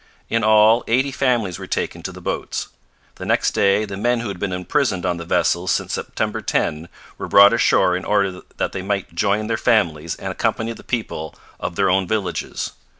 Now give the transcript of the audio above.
In all, eighty families were taken to the boats. The next day the men who had been imprisoned on the vessels since September 10 were brought ashore in order that they might join their families and accompany the people of their own villages.